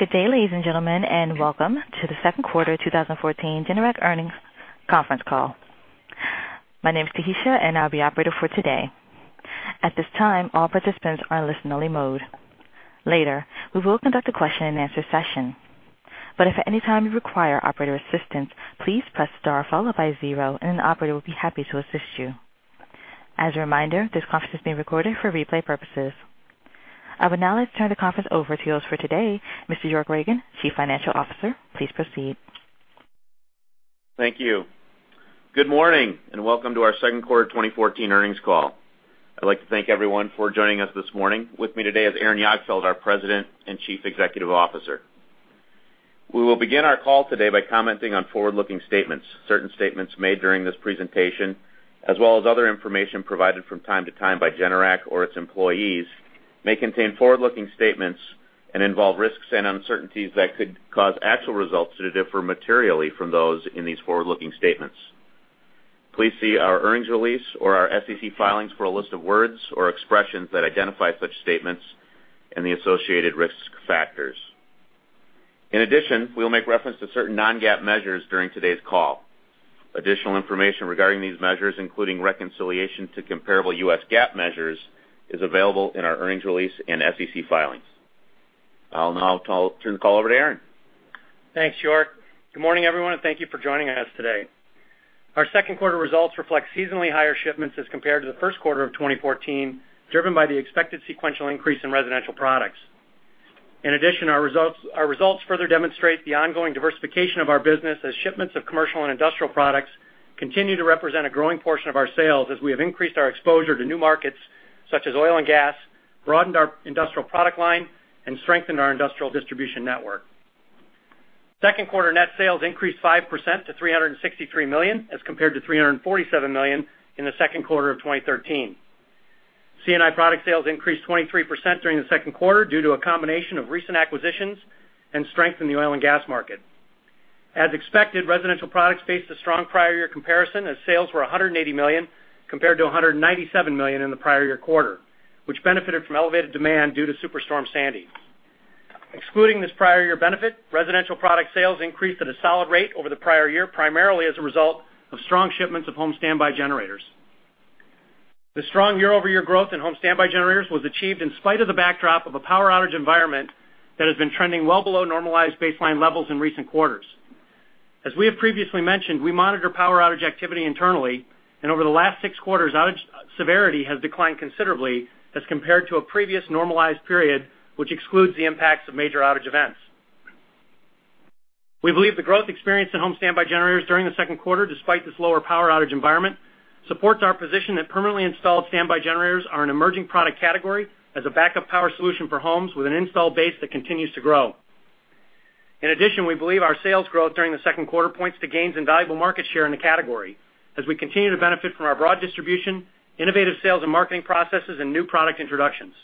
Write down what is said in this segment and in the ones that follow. Good day, ladies and gentlemen, and welcome to the Second Quarter 2014 Generac Earnings Conference Call. My name is Tahisha, and I'll be operator for today. At this time, all participants are in listen-only mode. Later, we will conduct a question-and-answer session. If at any time you require operator assistance, please press star followed by zero, and an operator will be happy to assist you. As a reminder, this conference is being recorded for replay purposes. I will now turn the conference over to host for today, Mr. York Ragen, Chief Financial Officer. Please proceed. Thank you. Good morning, and welcome to our Second Quarter 2014 Earnings Call. I'd like to thank everyone for joining us this morning. With me today is Aaron Jagdfeld, our President and Chief Executive Officer. We will begin our call today by commenting on forward-looking statements. Certain statements made during this presentation, as well as other information provided from time to time by Generac or its employees, may contain forward-looking statements and involve risks and uncertainties that could cause actual results to differ materially from those in these forward-looking statements. Please see our earnings release or our SEC filings for a list of words or expressions that identify such statements and the associated risk factors. In addition, we'll make reference to certain non-GAAP measures during today's call. Additional information regarding these measures, including reconciliation to comparable US GAAP measures, is available in our earnings release and SEC filings. I'll now turn the call over to Aaron. Thanks, York. Good morning, everyone, and thank you for joining us today. Our second quarter results reflect seasonally higher shipments as compared to the first quarter of 2014, driven by the expected sequential increase in residential products. In addition, our results further demonstrate the ongoing diversification of our business as shipments of commercial and industrial products continue to represent a growing portion of our sales as we have increased our exposure to new markets such as oil and gas, broadened our industrial product line, and strengthened our industrial distribution network. Second quarter net sales increased 5% to $363 million, as compared to $347 million in the second quarter of 2013. C&I product sales increased 23% during the second quarter due to a combination of recent acquisitions and strength in the oil and gas market. As expected, residential products faced a strong prior year comparison as sales were $180 million compared to $197 million in the prior year quarter, which benefited from elevated demand due to Superstorm Sandy. Excluding this prior year benefit, residential product sales increased at a solid rate over the prior year, primarily as a result of strong shipments of home standby generators. The strong year-over-year growth in home standby generators was achieved in spite of the backdrop of a power outage environment that has been trending well below normalized baseline levels in recent quarters. As we have previously mentioned, we monitor power outage activity internally, and over the last six quarters, outage severity has declined considerably as compared to a previous normalized period, which excludes the impacts of major outage events. We believe the growth experienced in home standby generators during the second quarter, despite this lower power outage environment, supports our position that permanently installed standby generators are an emerging product category as a backup power solution for homes with an install base that continues to grow. In addition, we believe our sales growth during the second quarter points to gains in valuable market share in the category as we continue to benefit from our broad distribution, innovative sales and marketing processes, and new product introductions.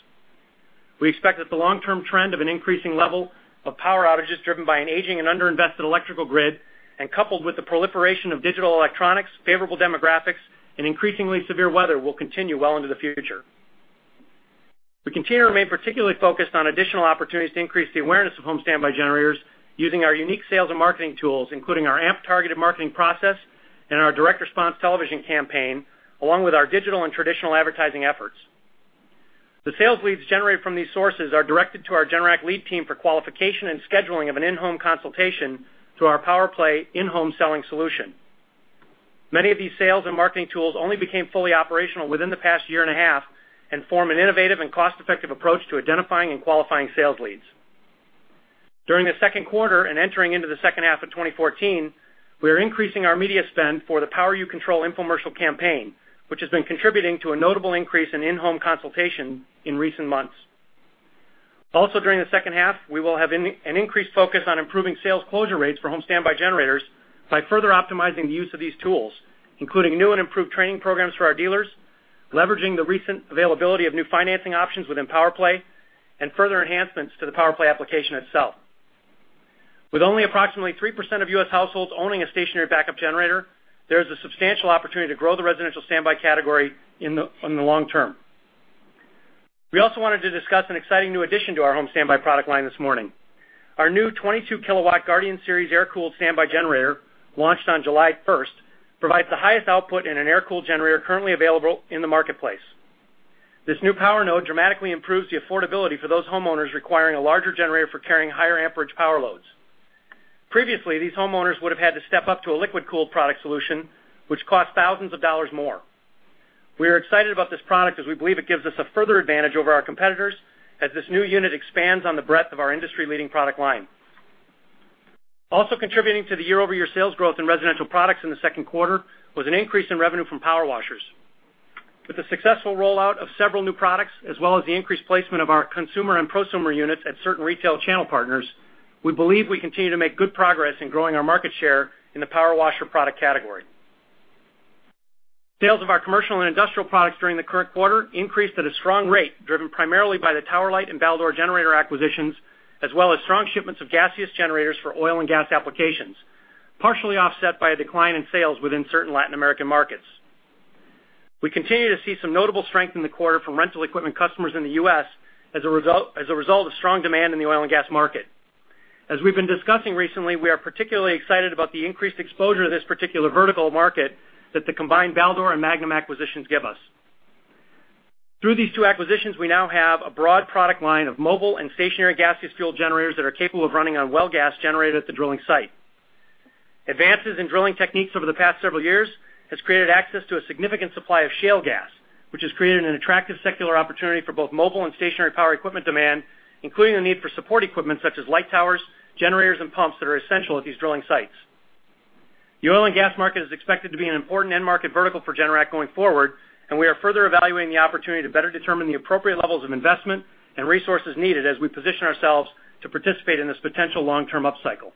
We expect that the long-term trend of an increasing level of power outages driven by an aging and underinvested electrical grid and coupled with the proliferation of digital electronics, favorable demographics, and increasingly severe weather will continue well into the future. We continue to remain particularly focused on additional opportunities to increase the awareness of home standby generators using our unique sales and marketing tools, including our AMP targeted marketing process and our direct response television campaign, along with our digital and traditional advertising efforts. The sales leads generated from these sources are directed to our Generac lead team for qualification and scheduling of an in-home consultation through our PowerPlay in-home selling solution. Many of these sales and marketing tools only became fully operational within the past year and a half and form an innovative and cost-effective approach to identifying and qualifying sales leads. During the second quarter and entering into the second half of 2014, we are increasing our media spend for the Power You Control infomercial campaign, which has been contributing to a notable increase in in-home consultation in recent months. Also during the second half, we will have an increased focus on improving sales closure rates for home standby generators by further optimizing the use of these tools, including new and improved training programs for our dealers, leveraging the recent availability of new financing options within PowerPlay, and further enhancements to the PowerPlay application itself. With only approximately 3% of U.S. households owning a stationary backup generator, there is a substantial opportunity to grow the residential standby category in the long term. We also wanted to discuss an exciting new addition to our home standby product line this morning. Our new 22 kilowatt Guardian Series air-cooled standby generator, launched on July 1st, provides the highest output in an air-cooled generator currently available in the marketplace. This new power node dramatically improves the affordability for those homeowners requiring a larger generator for carrying higher amperage power loads. Previously, these homeowners would have had to step up to a liquid-cooled product solution, which cost thousands of dollars more. We are excited about this product as we believe it gives us a further advantage over our competitors as this new unit expands on the breadth of our industry-leading product line. Also contributing to the year-over-year sales growth in residential products in the second quarter was an increase in revenue from power washers. With the successful rollout of several new products, as well as the increased placement of our consumer and prosumer units at certain retail channel partners, we believe we continue to make good progress in growing our market share in the power washer product category. Sales of our commercial and industrial products during the current quarter increased at a strong rate, driven primarily by the Tower Light and Baldor generator acquisitions, as well as strong shipments of gaseous generators for oil and gas applications, partially offset by a decline in sales within certain Latin American markets. We continue to see some notable strength in the quarter from rental equipment customers in the U.S. as a result of strong demand in the oil and gas market. As we've been discussing recently, we are particularly excited about the increased exposure to this particular vertical market that the combined Baldor and Magnum acquisitions give us. Through these two acquisitions, we now have a broad product line of mobile and stationary gaseous fuel generators that are capable of running on well gas generated at the drilling site. Advances in drilling techniques over the past several years has created access to a significant supply of shale gas, which has created an attractive secular opportunity for both mobile and stationary power equipment demand, including the need for support equipment such as light towers, generators, and pumps that are essential at these drilling sites. The oil and gas market is expected to be an important end market vertical for Generac going forward, and we are further evaluating the opportunity to better determine the appropriate levels of investment and resources needed as we position ourselves to participate in this potential long-term upcycle.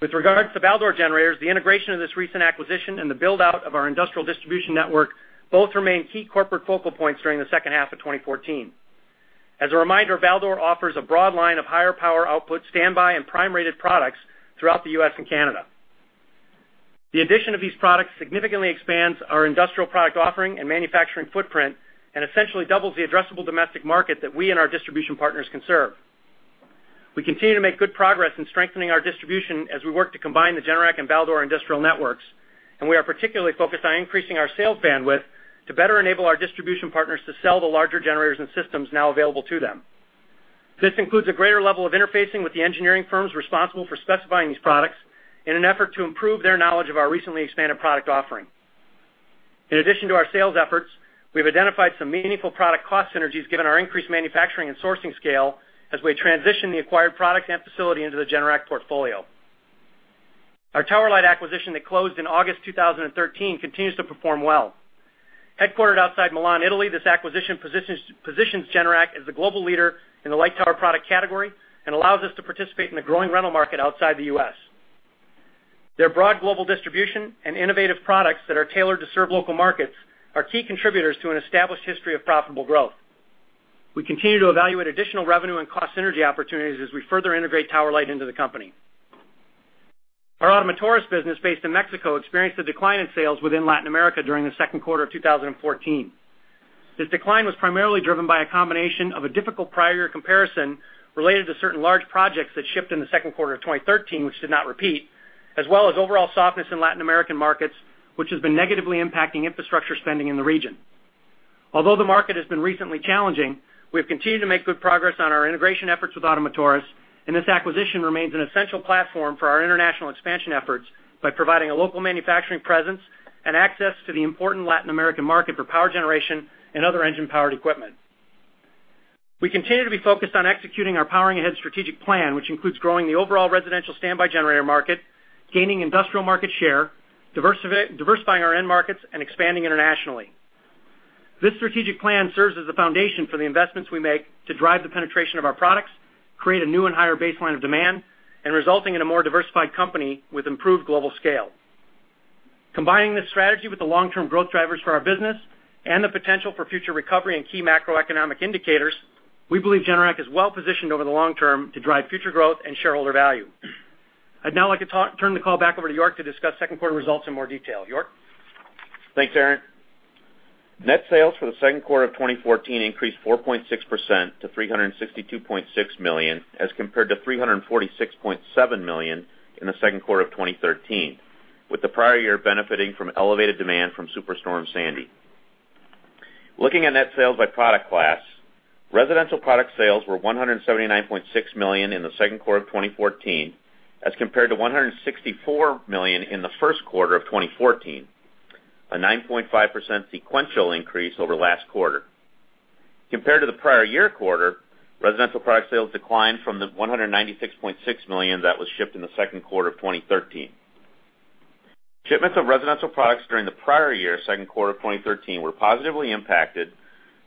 With regards to Baldor generators, the integration of this recent acquisition and the build-out of our industrial distribution network both remain key corporate focal points during the second half of 2014. As a reminder, Baldor offers a broad line of higher power output standby and prime-rated products throughout the U.S. and Canada. The addition of these products significantly expands our industrial product offering and manufacturing footprint and essentially doubles the addressable domestic market that we and our distribution partners can serve. We continue to make good progress in strengthening our distribution as we work to combine the Generac and Baldor industrial networks, and we are particularly focused on increasing our sales bandwidth to better enable our distribution partners to sell the larger generators and systems now available to them. This includes a greater level of interfacing with the engineering firms responsible for specifying these products in an effort to improve their knowledge of our recently expanded product offering. In addition to our sales efforts, we've identified some meaningful product cost synergies given our increased manufacturing and sourcing scale as we transition the acquired product and facility into the Generac portfolio. Our Tower Light acquisition that closed in August 2013 continues to perform well. Headquartered outside Milan, Italy, this acquisition positions Generac as the global leader in the light tower product category and allows us to participate in the growing rental market outside the U.S. Their broad global distribution and innovative products that are tailored to serve local markets are key contributors to an established history of profitable growth. We continue to evaluate additional revenue and cost synergy opportunities as we further integrate Tower Light into the company. Our Ottomotores business, based in Mexico, experienced a decline in sales within Latin America during the second quarter of 2014. This decline was primarily driven by a combination of a difficult prior year comparison related to certain large projects that shipped in the second quarter of 2013, which did not repeat, as well as overall softness in Latin American markets, which has been negatively impacting infrastructure spending in the region. Although the market has been recently challenging, we have continued to make good progress on our integration efforts with Ottomotores, and this acquisition remains an essential platform for our international expansion efforts by providing a local manufacturing presence and access to the important Latin American market for power generation and other engine-powered equipment. We continue to be focused on executing our Powering Ahead strategic plan, which includes growing the overall residential standby generator market, gaining industrial market share, diversifying our end markets, and expanding internationally. This strategic plan serves as the foundation for the investments we make to drive the penetration of our products, create a new and higher baseline of demand, and resulting in a more diversified company with improved global scale. Combining this strategy with the long-term growth drivers for our business and the potential for future recovery in key macroeconomic indicators, we believe Generac is well positioned over the long term to drive future growth and shareholder value. I'd now like to turn the call back over to York to discuss second quarter results in more detail. York? Thanks, Aaron. Net sales for the second quarter of 2014 increased 4.6% to $362.6 million as compared to $346.7 million in the second quarter of 2013, with the prior year benefiting from elevated demand from Superstorm Sandy. Looking at net sales by product class, residential product sales were $179.6 million in the second quarter of 2014 as compared to $164 million in the first quarter of 2014, a 9.5% sequential increase over last quarter. Compared to the prior year quarter, residential product sales declined from the $196.6 million that was shipped in the second quarter of 2013. Shipments of residential products during the prior year second quarter of 2013 were positively impacted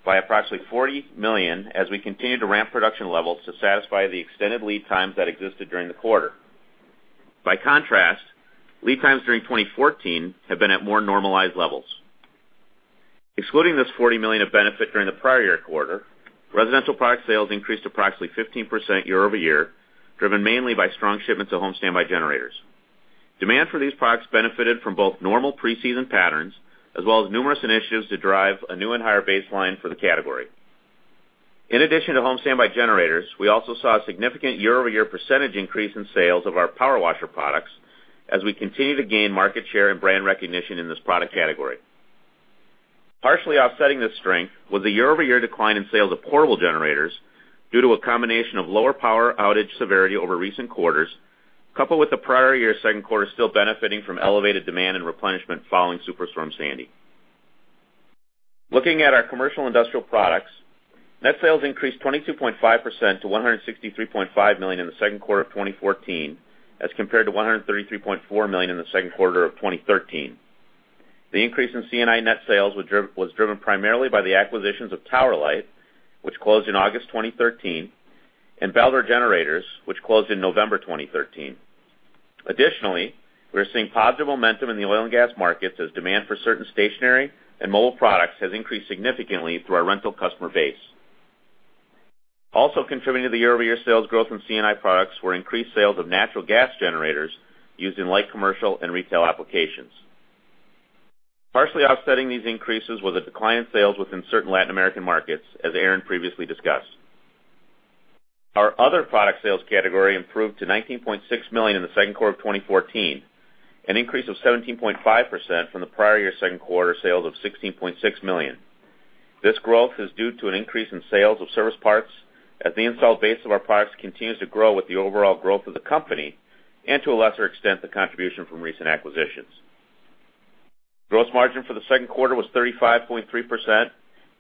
by approximately $40 million as we continued to ramp production levels to satisfy the extended lead times that existed during the quarter. By contrast, lead times during 2014 have been at more normalized levels. Excluding this $40 million of benefit during the prior year quarter, residential product sales increased approximately 15% year-over-year, driven mainly by strong shipments of home standby generators. Demand for these products benefited from both normal pre-season patterns as well as numerous initiatives to drive a new and higher baseline for the category. In addition to home standby generators, we also saw a significant year-over-year percentage increase in sales of our power washer products as we continue to gain market share and brand recognition in this product category. Partially offsetting this strength was a year-over-year decline in sales of portable generators due to a combination of lower power outage severity over recent quarters, coupled with the prior year second quarter still benefiting from elevated demand and replenishment following Superstorm Sandy. Looking at our commercial industrial products, net sales increased 22.5% to $163.5 million in the second quarter of 2014 as compared to $133.4 million in the second quarter of 2013. The increase in C&I net sales was driven primarily by the acquisitions of Tower Light, which closed in August 2013, and Baldor Generators, which closed in November 2013. Additionally, we are seeing positive momentum in the oil and gas markets as demand for certain stationary and mobile products has increased significantly through our rental customer base. Also contributing to the year-over-year sales growth in C&I products were increased sales of natural gas generators used in light commercial and retail applications. Partially offsetting these increases was a decline in sales within certain Latin American markets, as Aaron previously discussed. Our other product sales category improved to $19.6 million in the second quarter of 2014, an increase of 17.5% from the prior year second quarter sales of $16.6 million. This growth is due to an increase in sales of service parts as the installed base of our products continues to grow with the overall growth of the company, and to a lesser extent, the contribution from recent acquisitions. Gross margin for the second quarter was 35.3%,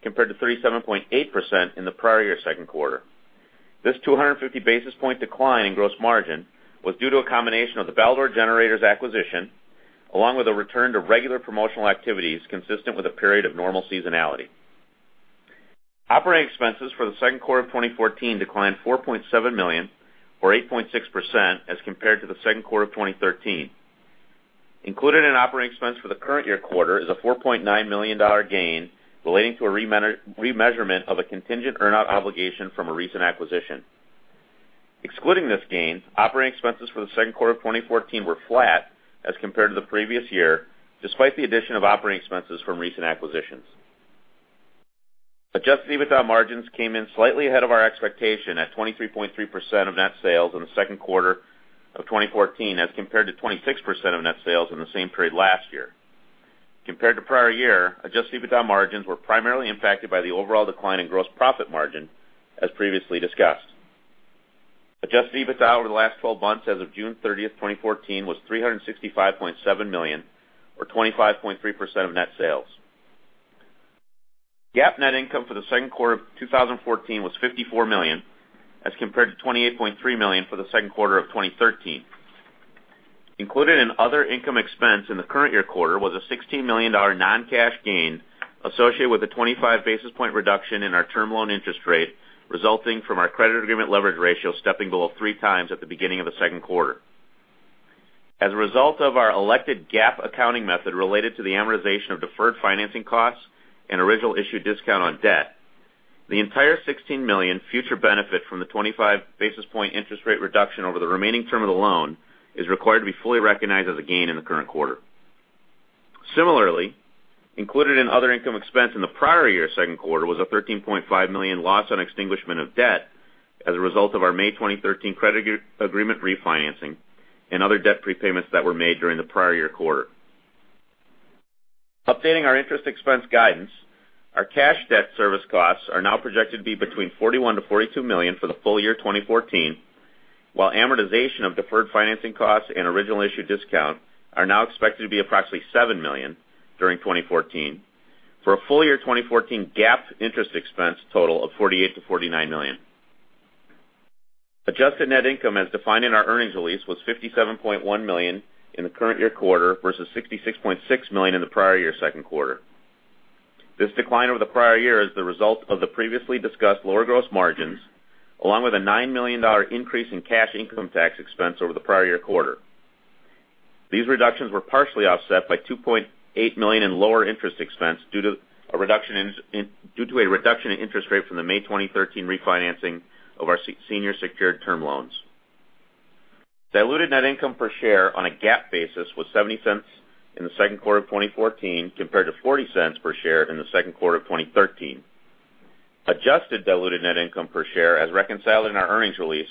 compared to 37.8% in the prior year second quarter. This 250 basis point decline in gross margin was due to a combination of the Baldor Generators acquisition, along with a return to regular promotional activities consistent with a period of normal seasonality. Operating expenses for the second quarter of 2014 declined $4.7 million or 8.6% as compared to the second quarter of 2013. Included in operating expense for the current year quarter is a $4.9 million gain relating to a remeasurement of a contingent earn-out obligation from a recent acquisition. Excluding this gain, operating expenses for the second quarter of 2014 were flat as compared to the previous year, despite the addition of operating expenses from recent acquisitions. Adjusted EBITDA margins came in slightly ahead of our expectation at 23.3% of net sales in the second quarter of 2014, as compared to 26% of net sales in the same period last year. Compared to prior year, adjusted EBITDA margins were primarily impacted by the overall decline in gross profit margin, as previously discussed. Adjusted EBITDA over the last 12 months as of June 30th, 2014 was $365.7 million or 25.3% of net sales. GAAP net income for the second quarter of 2014 was $54 million, as compared to $28.3 million for the second quarter of 2013. Included in other income expense in the current year quarter was a $16 million non-cash gain associated with a 25 basis point reduction in our term loan interest rate, resulting from our credit agreement leverage ratio stepping below 3x at the beginning of the second quarter. As a result of our elected GAAP accounting method related to the amortization of deferred financing costs and original issue discount on debt, the entire $16 million future benefit from the 25 basis point interest rate reduction over the remaining term of the loan is required to be fully recognized as a gain in the current quarter. Similarly, included in other income expense in the prior year second quarter was a $13.5 million loss on extinguishment of debt as a result of our May 2013 credit agreement refinancing and other debt prepayments that were made during the prior year quarter. Updating our interest expense guidance, our cash debt service costs are now projected to be between $41 million-$42 million for the full year 2014, while amortization of deferred financing costs and original issue discount are now expected to be approximately $7 million during 2014, for a full year 2014 GAAP interest expense total of $48 million-$49 million. Adjusted net income as defined in our earnings release, was $57.1 million in the current year quarter versus $66.6 million in the prior year second quarter. This decline over the prior year is the result of the previously discussed lower gross margins, along with a $9 million increase in cash income tax expense over the prior year quarter. These reductions were partially offset by $2.8 million in lower interest expense due to a reduction in interest rate from the May 2013 refinancing of our senior secured term loans. Diluted net income per share on a GAAP basis was $0.70 in the second quarter of 2014 compared to $0.40 per share in the second quarter of 2013. Adjusted diluted net income per share as reconciled in our earnings release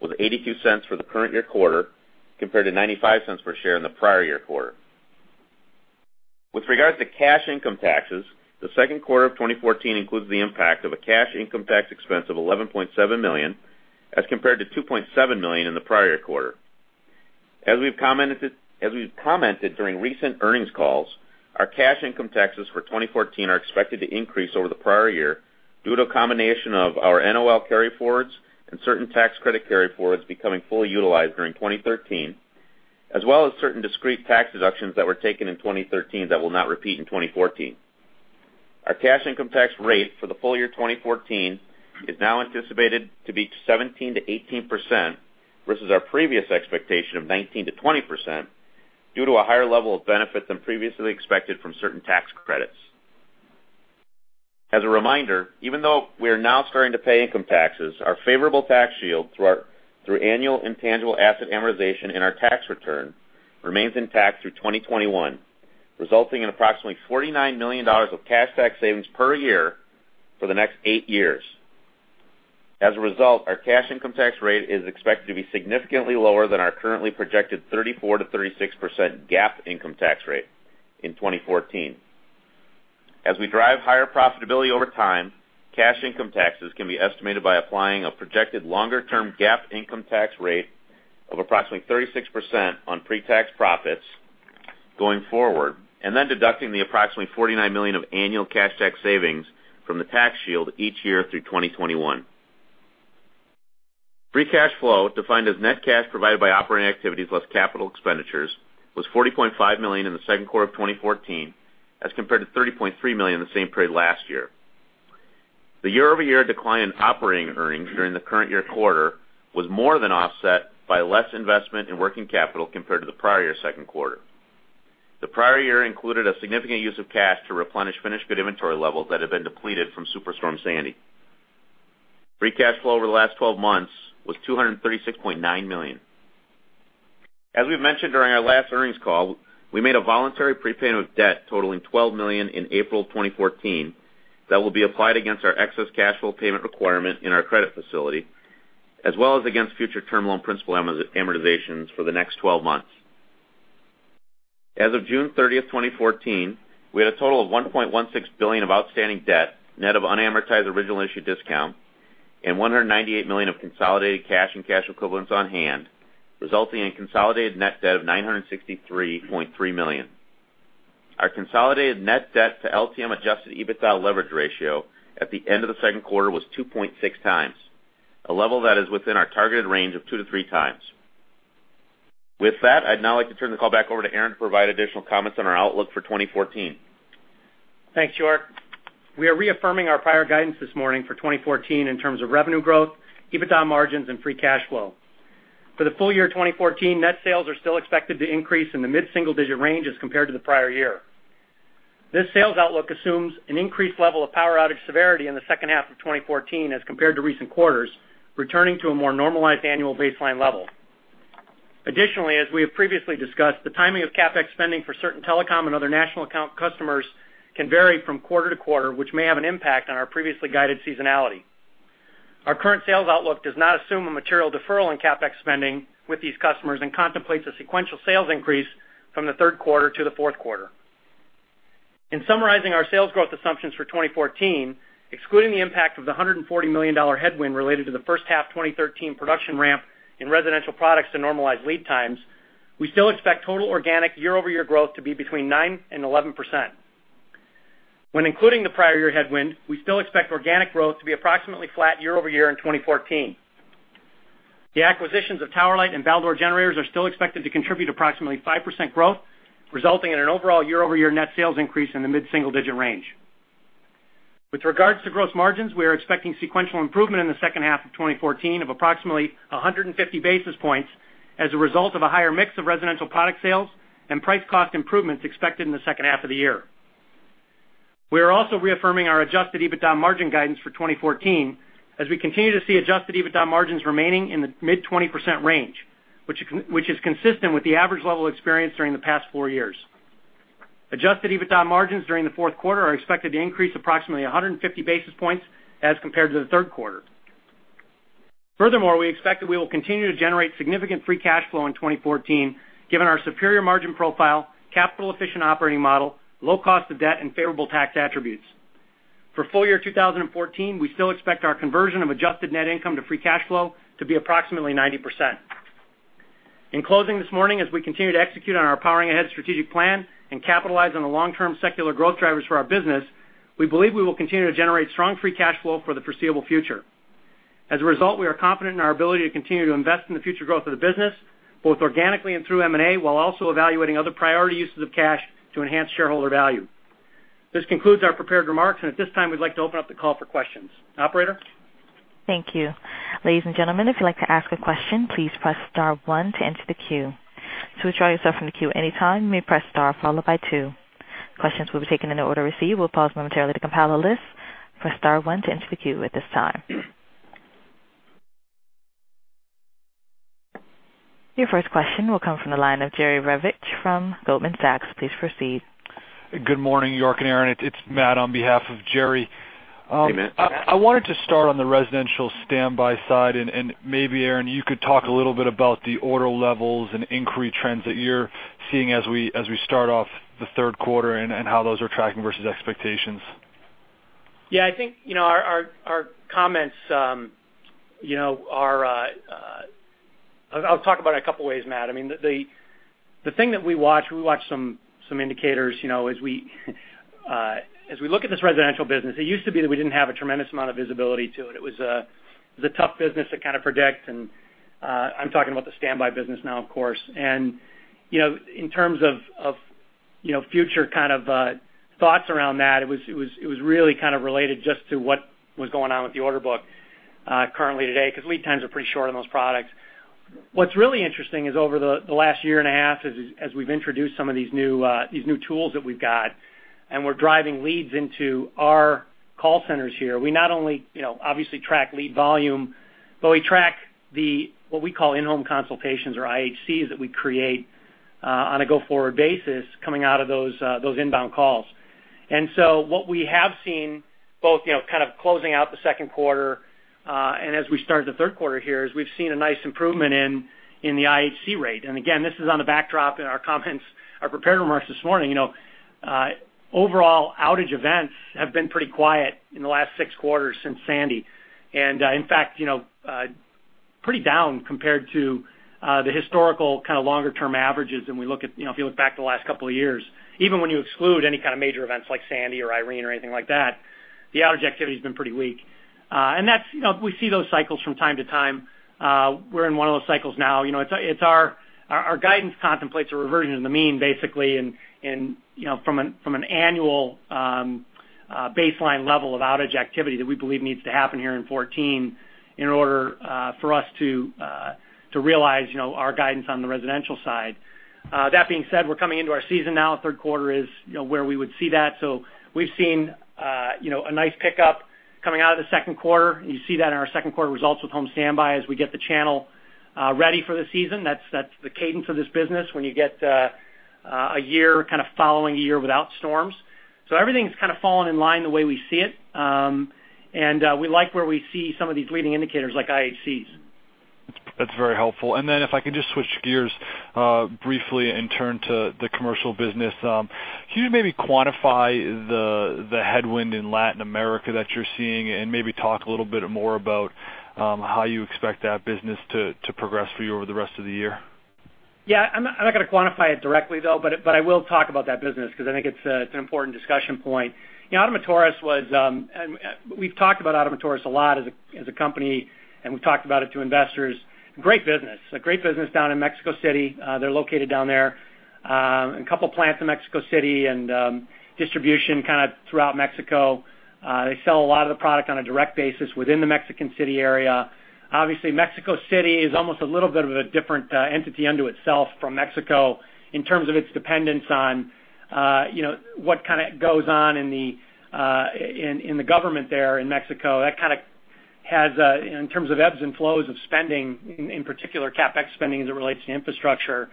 was $0.82 for the current year quarter, compared to $0.95 per share in the prior year quarter. With regard to cash income taxes, the second quarter of 2014 includes the impact of a cash income tax expense of $11.7 million as compared to $2.7 million in the prior quarter. As we've commented during recent earnings calls, our cash income taxes for 2014 are expected to increase over the prior year due to a combination of our NOL carryforwards and certain tax credit carryforwards becoming fully utilized during 2013, as well as certain discrete tax deductions that were taken in 2013 that will not repeat in 2014. Our cash income tax rate for the full year 2014 is now anticipated to be 17%-18%, versus our previous expectation of 19%-20% due to a higher level of benefit than previously expected from certain tax credits. As a reminder, even though we are now starting to pay income taxes, our favorable tax shield through annual intangible asset amortization in our tax return remains intact through 2021, resulting in approximately $49 million of cash tax savings per year for the next eight years. As a result, our cash income tax rate is expected to be significantly lower than our currently projected 34%-36% GAAP income tax rate in 2014. As we drive higher profitability over time, cash income taxes can be estimated by applying a projected longer-term GAAP income tax rate of approximately 36% on pre-tax profits going forward, then deducting the approximately $49 million of annual cash tax savings from the tax shield each year through 2021. Free cash flow, defined as net cash provided by operating activities less capital expenditures, was $40.5 million in the second quarter of 2014 as compared to $30.3 million in the same period last year. The year-over-year decline in operating earnings during the current year quarter was more than offset by less investment in working capital compared to the prior year second quarter. The prior year included a significant use of cash to replenish finished good inventory levels that had been depleted from Superstorm Sandy. Free cash flow over the last 12 months was $236.9 million. As we've mentioned during our last earnings call, we made a voluntary prepayment of debt totaling $12 million in April 2014 that will be applied against our excess cash flow payment requirement in our credit facility, as well as against future term loan principal amortizations for the next 12 months. As of June 30th, 2014, we had a total of $1.16 billion of outstanding debt, net of unamortized original issue discount, and $198 million of consolidated cash and cash equivalents on hand, resulting in consolidated net debt of $963.3 million. Our consolidated net debt to LTM adjusted EBITDA leverage ratio at the end of the second quarter was 2.6x, a level that is within our targeted range of 2x-3x. I'd now like to turn the call back over to Aaron to provide additional comments on our outlook for 2014. Thanks, York. We are reaffirming our prior guidance this morning for 2014 in terms of revenue growth, EBITDA margins, and free cash flow. For the full year 2014, net sales are still expected to increase in the mid-single digit ranges compared to the prior year. This sales outlook assumes an increased level of power outage severity in the second half of 2014 as compared to recent quarters, returning to a more normalized annual baseline level. As we have previously discussed, the timing of CapEx spending for certain telecom and other national account customers can vary from quarter to quarter, which may have an impact on our previously guided seasonality. Our current sales outlook does not assume a material deferral in CapEx spending with these customers and contemplates a sequential sales increase from the third quarter to the fourth quarter. In summarizing our sales growth assumptions for 2014, excluding the impact of the $140 million headwind related to the first half 2013 production ramp in residential products to normalize lead times, we still expect total organic year-over-year growth to be between 9% and 11%. When including the prior year headwind, we still expect organic growth to be approximately flat year-over-year in 2014. The acquisitions of Tower Light and Baldor generators are still expected to contribute approximately 5% growth, resulting in an overall year-over-year net sales increase in the mid-single digit range. With regards to gross margins, we are expecting sequential improvement in the second half of 2014 of approximately 150 basis points as a result of a higher mix of residential product sales and price-cost improvements expected in the second half of the year. We are also reaffirming our adjusted EBITDA margin guidance for 2014, as we continue to see adjusted EBITDA margins remaining in the mid-20% range, which is consistent with the average level experienced during the past four years. Adjusted EBITDA margins during the fourth quarter are expected to increase approximately 150 basis points as compared to the third quarter. Furthermore, we expect that we will continue to generate significant free cash flow in 2014, given our superior margin profile, capital-efficient operating model, low cost of debt, and favorable tax attributes. For full year 2014, we still expect our conversion of adjusted net income to free cash flow to be approximately 90%. In closing this morning, as we continue to execute on our Powering Ahead strategic plan and capitalize on the long-term secular growth drivers for our business, we believe we will continue to generate strong free cash flow for the foreseeable future. As a result, we are confident in our ability to continue to invest in the future growth of the business, both organically and through M&A, while also evaluating other priority uses of cash to enhance shareholder value. This concludes our prepared remarks. At this time, we'd like to open up the call for questions. Operator? Thank you. Ladies and gentlemen, if you'd like to ask a question, please press star one to enter the queue. To withdraw yourself from the queue anytime, you may press star followed by two. Questions will be taken in the order received. We'll pause momentarily to compile a list. Press star one to enter the queue at this time. Your first question will come from the line of Jerry Revich from Goldman Sachs. Please proceed. Good morning, York and Aaron. It's Matt on behalf of Jerry. Hey, Matt. I wanted to start on the residential standby side, and maybe, Aaron, you could talk a little bit about the order levels and inquiry trends that you're seeing as we start off the third quarter and how those are tracking versus expectations. Yeah, I'll talk about it a couple ways, Matt. We watch some indicators as we look at this residential business. It used to be that we didn't have a tremendous amount of visibility to it. It was a tough business to kind of predict, and I'm talking about the standby business now, of course. In terms of future kind of thoughts around that, it was really kind of related just to what was going on with the order book currently today, because lead times are pretty short on those products. What's really interesting is over the last year and a half, as we've introduced some of these new tools that we've got, and we're driving leads into our call centers here. We not only obviously track lead volume, but we track what we call in-home consultations, or IHC, that we create on a go-forward basis coming out of those inbound calls. What we have seen both kind of closing out the second quarter and as we start the third quarter here, is we've seen a nice improvement in the IHC rate. Again, this is on the backdrop in our comments, our prepared remarks this morning. Overall outage events have been pretty quiet in the last six quarters since Sandy. In fact, pretty down compared to the historical kind of longer-term averages if you look back the last couple of years. Even when you exclude any kind of major events like Sandy or Irene or anything like that, the outage activity has been pretty weak. We see those cycles from time to time. We're in one of those cycles now. Our guidance contemplates a reversion in the mean, basically, from an annual baseline level of outage activity that we believe needs to happen here in 2014 in order for us to realize our guidance on the residential side. That being said, we're coming into our season now. Third quarter is where we would see that. We've seen a nice pickup coming out of the second quarter. You see that in our second quarter results with home standby as we get the channel ready for the season. That's the cadence of this business when you get a year kind of following a year without storms. Everything's kind of fallen in line the way we see it. We like where we see some of these leading indicators like IHC. That's very helpful. If I could just switch gears briefly and turn to the commercial business. Can you maybe quantify the headwind in Latin America that you're seeing and maybe talk a little bit more about how you expect that business to progress for you over the rest of the year? I'm not going to quantify it directly, though, but I will talk about that business because I think it's an important discussion point. We've talked about Ottomotores a lot as a company, and we've talked about it to investors. Great business. A great business down in Mexico City. They're located down there, a couple plants in Mexico City, and distribution kind of throughout Mexico. They sell a lot of the product on a direct basis within the Mexican City area. Obviously, Mexico City is almost a little bit of a different entity unto itself from Mexico in terms of its dependence on what kind of goes on in the government there in Mexico. That kind of has, in terms of ebbs and flows of spending, in particular, CapEx spending, as it relates to infrastructure.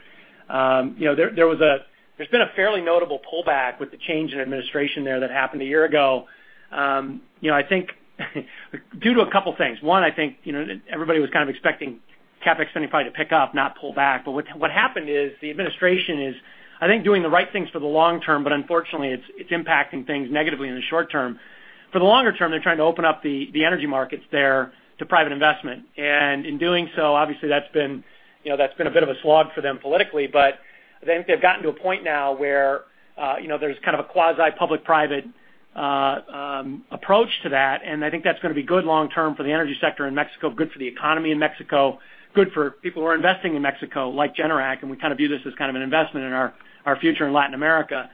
There's been a fairly notable pullback with the change in administration there that happened a year ago. I think due to a couple things. 1, I think, everybody was kind of expecting CapEx spending probably to pick up, not pull back. What happened is the administration is, I think, doing the right things for the long term, but unfortunately, it's impacting things negatively in the short term. For the longer term, they're trying to open up the energy markets there to private investment. In doing so, obviously, that's been a bit of a slog for them politically. I think they've gotten to a point now where there's kind of a quasi public-private approach to that, and I think that's going to be good long term for the energy sector in Mexico, good for the economy in Mexico, good for people who are investing in Mexico, like Generac, we kind of view this as kind of an investment in our future in Latin America,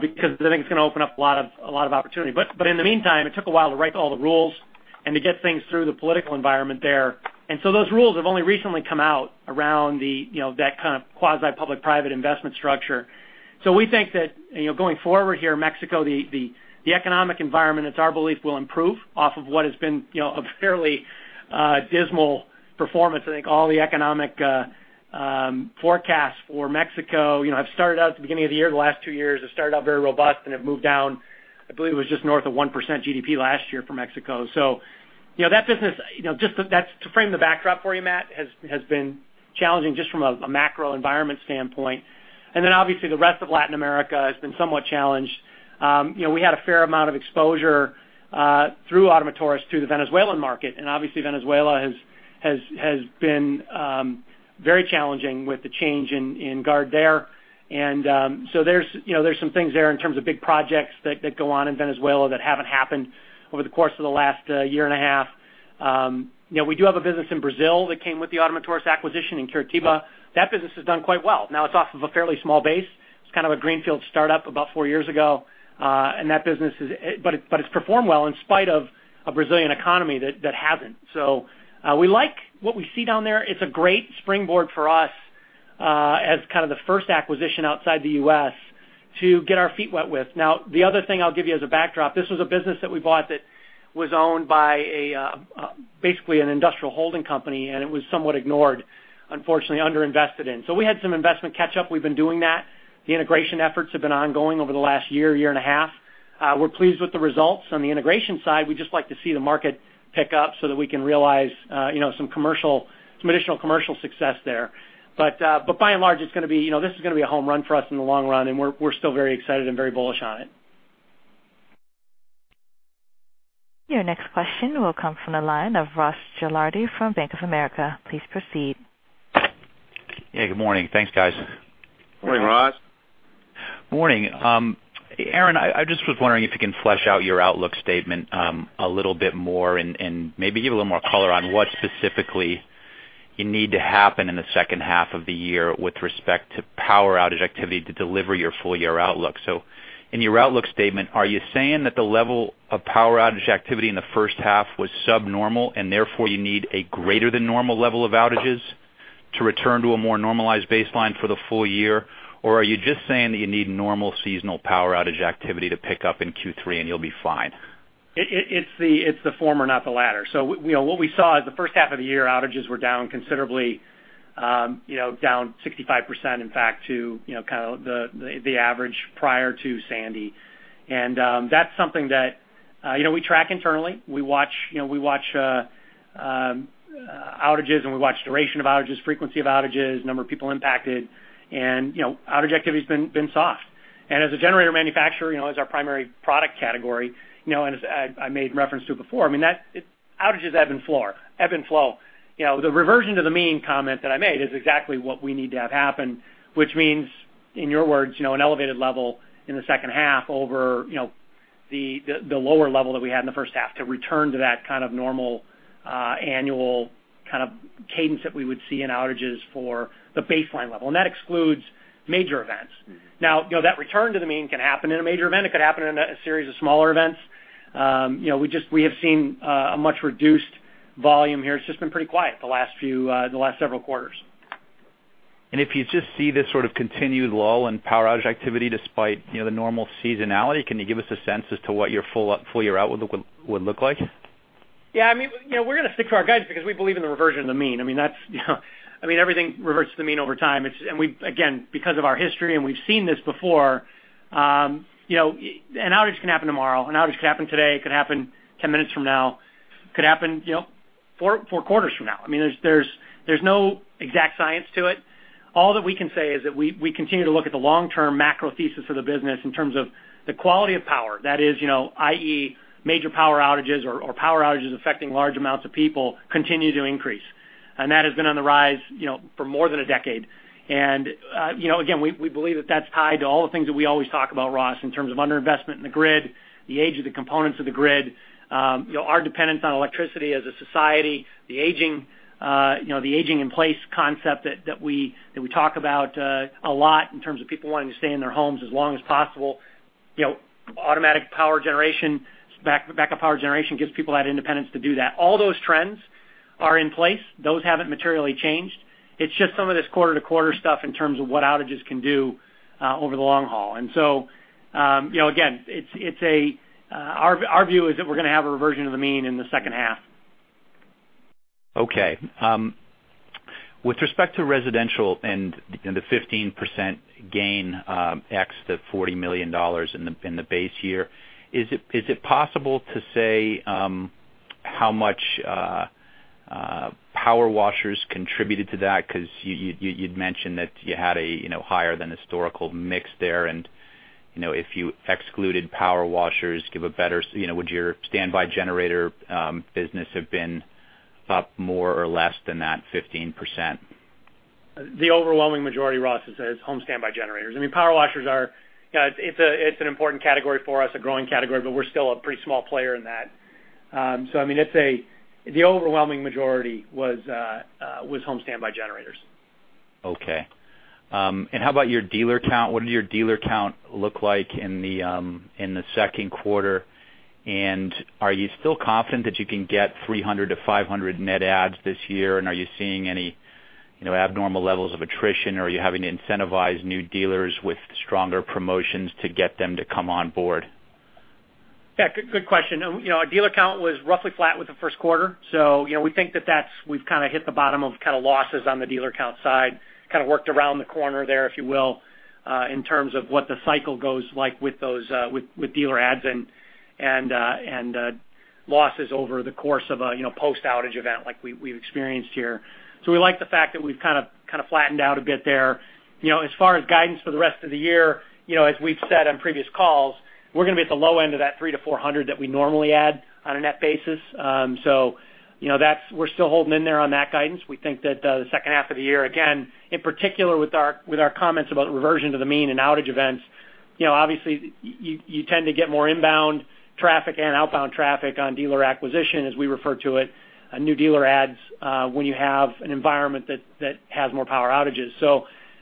because I think it's going to open up a lot of opportunity. In the meantime, it took a while to write all the rules and to get things through the political environment there. Those rules have only recently come out around that kind of quasi public-private investment structure. We think that going forward here, Mexico, the economic environment, it's our belief, will improve off of what has been a fairly dismal performance. I think all the economic forecasts for Mexico, have started out at the beginning of the year, the last 2 years, have started out very robust and have moved down. I believe it was just north of 1% GDP last year for Mexico. That business, just to frame the backdrop for you, Matt, has been challenging just from a macro environment standpoint. Then, obviously, the rest of Latin America has been somewhat challenged. We had a fair amount of exposure through Ottomotores through the Venezuelan market, obviously Venezuela has been very challenging with the change in guard there. There's some things there in terms of big projects that go on in Venezuela that haven't happened over the course of the last year and a half. We do have a business in Brazil that came with the Ottomotores acquisition in Curitiba. That business has done quite well. Now it's off of a fairly small base. It's kind of a greenfield startup about four years ago. It's performed well in spite of a Brazilian economy that hasn't. We like what we see down there. It's a great springboard for us as kind of the first acquisition outside the U.S. to get our feet wet with. The other thing I'll give you as a backdrop, this was a business that we bought that was owned by basically an industrial holding company, it was somewhat ignored, unfortunately, under-invested in. We had some investment catch-up. We've been doing that. The integration efforts have been ongoing over the last year and a half. We're pleased with the results. On the integration side, we'd just like to see the market pick up so that we can realize some additional commercial success there. By and large, this is going to be a home run for us in the long run, and we're still very excited and very bullish on it. Your next question will come from the line of Ross Gilardi from Bank of America. Please proceed. Yeah, good morning. Thanks, guys. Morning, Ross. Morning. Aaron, I just was wondering if you can flesh out your outlook statement a little bit more and maybe give a little more color on what specifically you need to happen in the second half of the year with respect to power outage activity to deliver your full-year outlook. In your outlook statement, are you saying that the level of power outage activity in the first half was subnormal, and therefore you need a greater than normal level of outages to return to a more normalized baseline for the full year? Or are you just saying that you need normal seasonal power outage activity to pick up in Q3 and you'll be fine? It's the former, not the latter. What we saw is the first half of the year, outages were down considerably, down 65%, in fact, to kind of the average prior to Sandy. That's something that we track internally. We watch outages, and we watch duration of outages, frequency of outages, number of people impacted, and outage activity's been soft. As a generator manufacturer, as our primary product category, and as I made reference to before, I mean, outages ebb and flow. The reversion to the mean comment that I made is exactly what we need to have happen, which means, in your words, an elevated level in the second half over the lower level that we had in the first half to return to that kind of normal annual kind of cadence that we would see in outages for the baseline level. That excludes major events. Now, that return to the mean can happen in a major event. It could happen in a series of smaller events. We have seen a much reduced volume here. It's just been pretty quiet the last several quarters. If you just see this sort of continued lull in power outage activity despite the normal seasonality, can you give us a sense as to what your full year out would look like? We're going to stick to our guidance because we believe in the reversion of the mean. Everything reverts to the mean over time. Again, because of our history, and we've seen this before, an outage can happen tomorrow, an outage could happen today, it could happen 10 minutes from now, it could happen four quarters from now. There's no exact science to it. All that we can say is that we continue to look at the long-term macro thesis of the business in terms of the quality of power. That is, i.e., major power outages or power outages affecting large amounts of people continue to increase. That has been on the rise for more than a decade. Again, we believe that's tied to all the things that we always talk about, Ross, in terms of under-investment in the grid, the age of the components of the grid, our dependence on electricity as a society, the aging in place concept that we talk about a lot in terms of people wanting to stay in their homes as long as possible. Backup power generation gives people that independence to do that. All those trends are in place. Those haven't materially changed. It's just some of this quarter-to-quarter stuff in terms of what outages can do over the long haul. Again, our view is that we're going to have a reversion of the mean in the second half. With respect to residential and the 15% gain, X to $40 million in the base year, is it possible to say how much power washers contributed to that? Because you'd mentioned that you had a higher than historical mix there, and if you excluded power washers, would your standby generator business have been up more or less than that 15%? The overwhelming majority, Ross, is home standby generators. Power washers, it's an important category for us, a growing category, but we're still a pretty small player in that. The overwhelming majority was home standby generators. Okay. How about your dealer count? What did your dealer count look like in the second quarter, and are you still confident that you can get 300 to 500 net adds this year, and are you seeing any abnormal levels of attrition, or are you having to incentivize new dealers with stronger promotions to get them to come on board? Yeah. Good question. Our dealer count was roughly flat with the first quarter. We think that we've hit the bottom of losses on the dealer count side, kind of worked around the corner there, if you will, in terms of what the cycle goes like with dealer adds and losses over the course of a post-outage event like we've experienced here. We like the fact that we've kind of flattened out a bit there. As far as guidance for the rest of the year, as we've said on previous calls, we're going to be at the low end of that 300 to 400 that we normally add on a net basis. We're still holding in there on that guidance. We think that the second half of the year, again, in particular with our comments about reversion to the mean in outage events, obviously you tend to get more inbound traffic and outbound traffic on dealer acquisition, as we refer to it, new dealer adds, when you have an environment that has more power outages.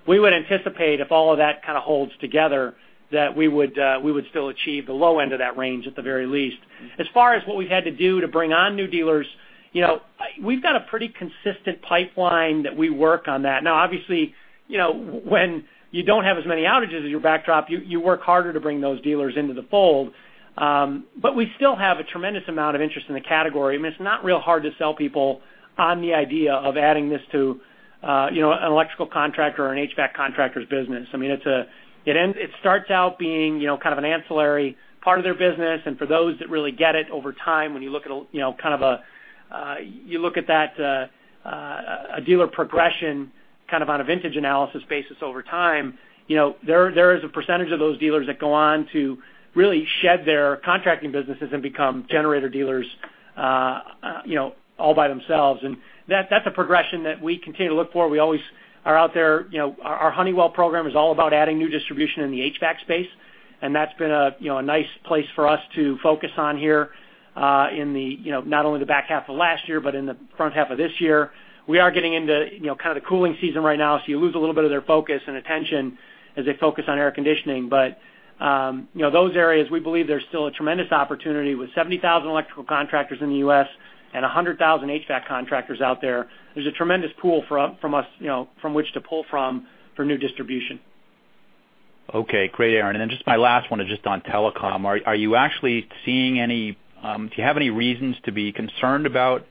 We would anticipate, if all of that kind of holds together, that we would still achieve the low end of that range at the very least. As far as what we've had to do to bring on new dealers, we've got a pretty consistent pipeline that we work on that. Now, obviously, when you don't have as many outages as your backdrop, you work harder to bring those dealers into the fold. We still have a tremendous amount of interest in the category, and it's not real hard to sell people on the idea of adding this to an electrical contractor or an HVAC contractor's business. It starts out being kind of an ancillary part of their business, and for those that really get it over time, when you look at that, a dealer progression on a vintage analysis basis over time, there is a percentage of those dealers that go on to really shed their contracting businesses and become generator dealers all by themselves. That's a progression that we continue to look for. We always are out there. Our Honeywell program is all about adding new distribution in the HVAC space. That's been a nice place for us to focus on here in not only the back half of last year, but in the front half of this year. We are getting into the cooling season right now. You lose a little bit of their focus and attention as they focus on air conditioning. Those areas, we believe there's still a tremendous opportunity with 70,000 electrical contractors in the U.S. and 100,000 HVAC contractors out there. There's a tremendous pool from which to pull from for new distribution. Okay. Great, Aaron. Then just my last one is just on telecom. Do you have any reasons to be concerned about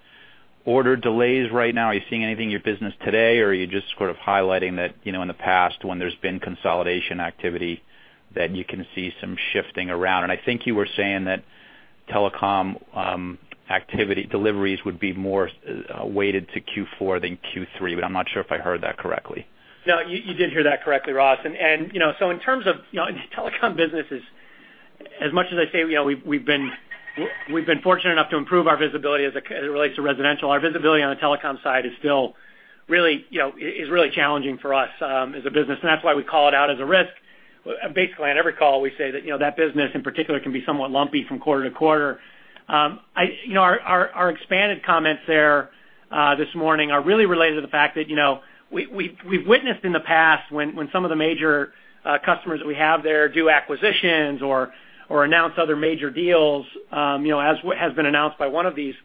order delays right now? Are you seeing anything in your business today, or are you just sort of highlighting that in the past when there's been consolidation activity, that you can see some shifting around? I think you were saying that telecom deliveries would be more weighted to Q4 than Q3, but I'm not sure if I heard that correctly. No, you did hear that correctly, Ross. In terms of telecom businesses, as much as I say we've been fortunate enough to improve our visibility as it relates to residential, our visibility on the telecom side is really challenging for us as a business, and that's why we call it out as a risk. Basically, on every call, we say that that business in particular can be somewhat lumpy from quarter to quarter. Our expanded comments there this morning are really related to the fact that we've witnessed in the past when some of the major customers that we have there do acquisitions or announce other major deals, as has been announced by one of these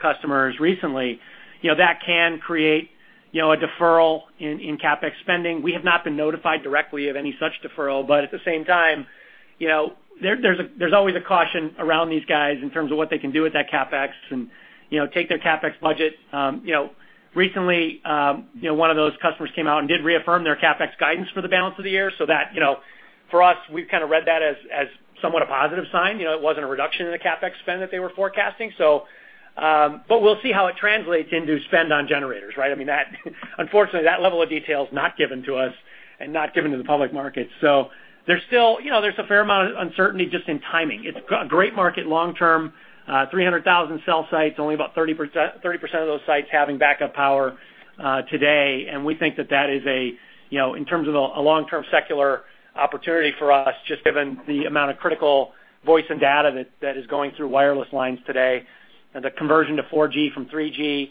customers recently, that can create a deferral in CapEx spending. We have not been notified directly of any such deferral. At the same time, there's always a caution around these guys in terms of what they can do with that CapEx and take their CapEx budget. Recently, one of those customers came out and did reaffirm their CapEx guidance for the balance of the year. That, for us, we've kind of read that as somewhat a positive sign. It wasn't a reduction in the CapEx spend that they were forecasting. We'll see how it translates into spend on generators, right? Unfortunately, that level of detail is not given to us and not given to the public market. There's a fair amount of uncertainty just in timing. It's a great market long term. 300,000 cell sites, only about 30% of those sites having backup power today. We think that that is, in terms of a long-term secular opportunity for us, just given the amount of critical voice and data that is going through wireless lines today, and the conversion to 4G from 3G.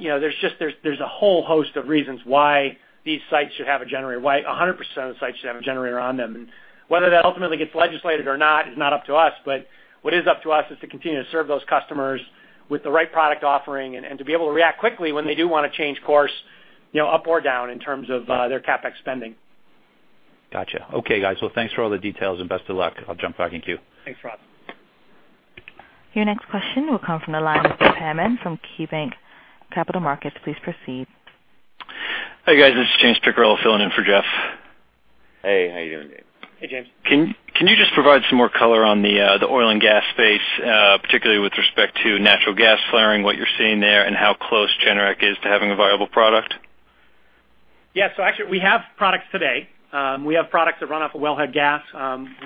There's a whole host of reasons why these sites should have a generator, why 100% of the sites should have a generator on them. Whether that ultimately gets legislated or not is not up to us, but what is up to us is to continue to serve those customers with the right product offering and to be able to react quickly when they do want to change course up or down in terms of their CapEx spending. Got you. Okay, guys. Well, thanks for all the details and best of luck. I'll jump back in queue. Thanks, Ross. Your next question will come from the line of Jeff Hammond from KeyBanc Capital Markets. Please proceed. Hi, guys. This is James Picariello filling in for Jeff. Hey, how you doing, James? Hey, James. Can you just provide some more color on the oil and gas space, particularly with respect to natural gas flaring, what you're seeing there, and how close Generac is to having a viable product? Actually, we have products today. We have products that run off of wellhead gas.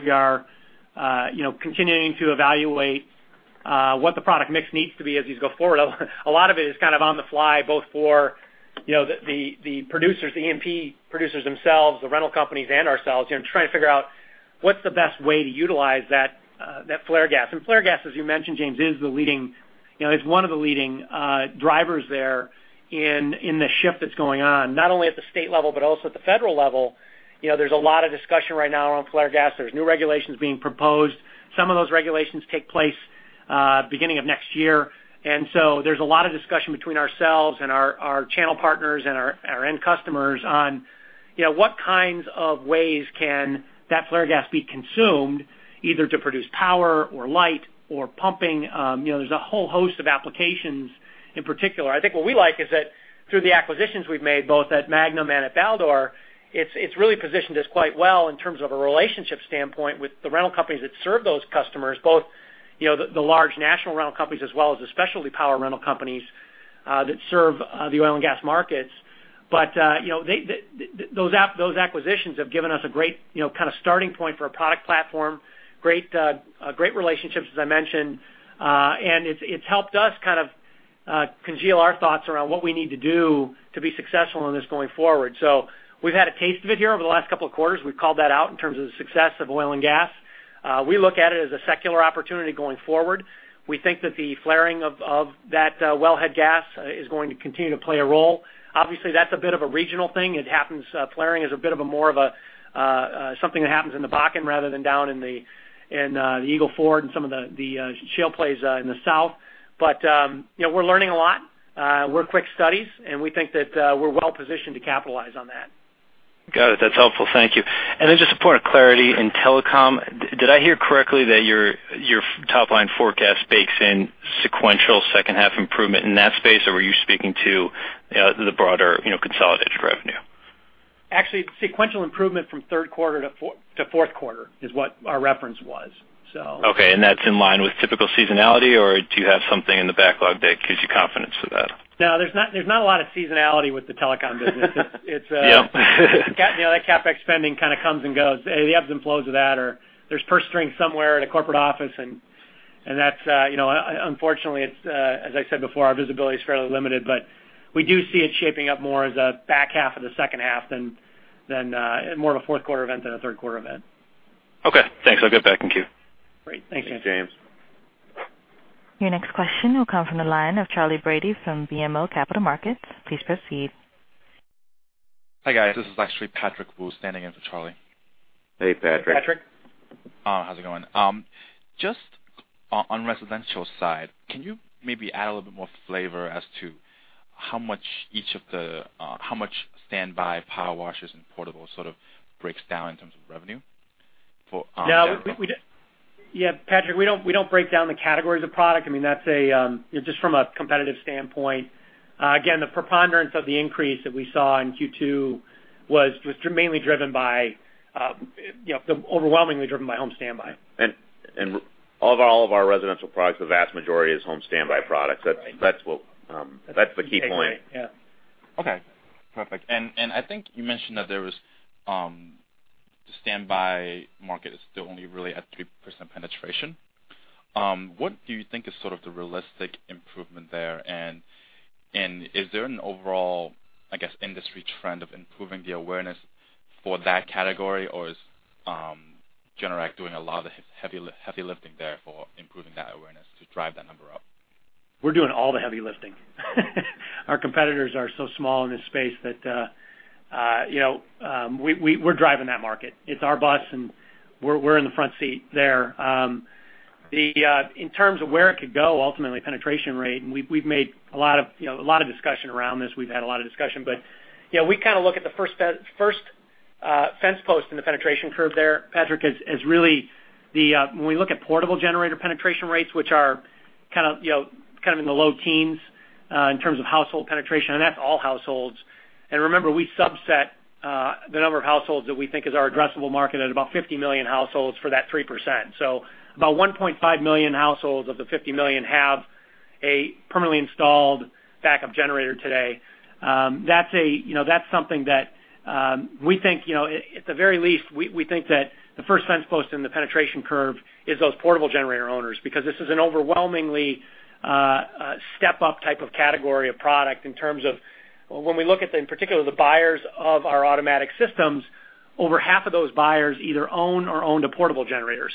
We are continuing to evaluate what the product mix needs to be as we go forward. A lot of it is kind of on the fly, both for the producers, the E&P producers themselves, the rental companies, and ourselves, trying to figure out what's the best way to utilize that flare gas. Flare gas, as you mentioned, James, is one of the leading drivers there in the shift that's going on. Not only at the state level but also at the federal level, there's a lot of discussion right now on flare gas. There's new regulations being proposed. Some of those regulations take place beginning of next year. There's a lot of discussion between ourselves and our channel partners and our end customers on what kinds of ways can that flare gas be consumed, either to produce power or light or pumping. There's a whole host of applications in particular. I think what we like is that through the acquisitions we've made, both at Magnum and at Baldor, it's really positioned us quite well in terms of a relationship standpoint with the rental companies that serve those customers, both the large national rental companies as well as the specialty power rental companies that serve the oil and gas markets. Those acquisitions have given us a great kind of starting point for a product platform. Great relationships, as I mentioned. It's helped us kind of congeal our thoughts around what we need to do to be successful in this going forward. We've had a taste of it here over the last couple of quarters. We've called that out in terms of the success of oil and gas. We look at it as a secular opportunity going forward. We think that the flaring of that wellhead gas is going to continue to play a role. Obviously, that's a bit of a regional thing. Flaring is a bit of a more of a something that happens in the Bakken rather than down in the Eagle Ford and some of the shale plays in the South. We're learning a lot. We're quick studies, we think that we're well positioned to capitalize on that. Got it. That's helpful. Thank you. Then just a point of clarity in telecom. Did I hear correctly that your top-line forecast bakes in sequential second-half improvement in that space, or were you speaking to the broader consolidated revenue? Actually, sequential improvement from third quarter to fourth quarter is what our reference was. Okay, that's in line with typical seasonality, do you have something in the backlog that gives you confidence for that? No, there's not a lot of seasonality with the telecom business. Yep. That CapEx spending kind of comes and goes, the ebbs and flows of that, or there's purse strings somewhere in a corporate office, and unfortunately, as I said before, our visibility is fairly limited. We do see it shaping up more as a back half of the second half than more of a fourth quarter event than a third quarter event. Okay. Thanks. I'll get back in queue. Great. Thanks, James. Thanks, James. Your next question will come from the line of Charlie Brady from BMO Capital Markets. Please proceed. Hi, guys. This is actually Patrick Wu standing in for Charlie. Hey, Patrick. Patrick. How's it going? Just on residential side, can you maybe add a little bit more flavor as to how much standby power is and portable sort of breaks down in terms of revenue for- Yeah, Patrick, we don't break down the categories of product. Just from a competitive standpoint. Again, the preponderance of the increase that we saw in Q2 was overwhelmingly driven by home standby. Of all of our residential products, the vast majority is home standby products. That's the key point. Okay. Perfect. I think you mentioned that the standby market is still only really at 3% penetration? What do you think is the realistic improvement there? Is there an overall, I guess, industry trend of improving the awareness for that category? Or is Generac doing a lot of heavy lifting there for improving that awareness to drive that number up? We're doing all the heavy lifting. Our competitors are so small in this space that we're driving that market. It's our bus, and we're in the front seat there. In terms of where it could go, ultimately, penetration rate. We've made a lot of discussion around this. We've had a lot of discussion, we look at the first fence post in the penetration curve there, Patrick, as really when we look at portable generator penetration rates, which are in the low teens, in terms of household penetration, and that's all households. Remember, we subset the number of households that we think is our addressable market at about 50 million households for that 3%. About 1.5 million households of the 50 million have a permanently installed backup generator today. That's something that, at the very least, we think that the first fence post in the penetration curve is those portable generator owners, because this is an overwhelmingly step-up type of category of product in terms of when we look at the, in particular, the buyers of our automatic systems, over half of those buyers either own or owned a portable generator.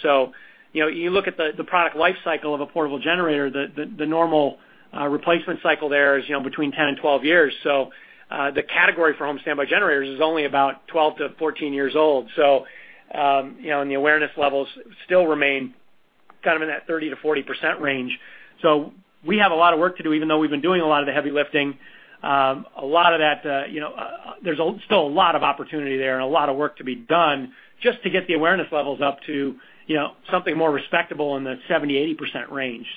You look at the product life cycle of a portable generator, the normal replacement cycle there is between 10 and 12 years. The category for home standby generators is only about 12 to 14 years old. The awareness levels still remain in that 30%-40% range. We have a lot of work to do, even though we've been doing a lot of the heavy lifting. There's still a lot of opportunity there and a lot of work to be done just to get the awareness levels up to something more respectable in the 70%-80% range.